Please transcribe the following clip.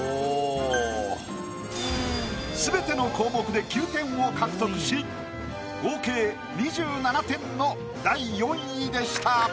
全ての項目で９点を獲得し合計２７点の第４位でした。